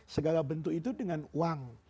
segala bentuk itu dengan uang